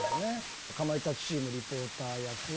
かまいたちチームリポーター役は？